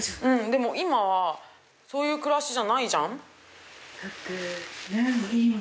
でも今はそういう暮らしじゃないじゃん。